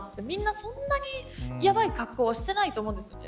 みんなそんなにやばい格好はしていないと思うんですよね。